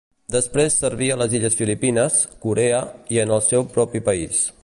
Després serví a les illes Filipines, Corea i en el seu propi país.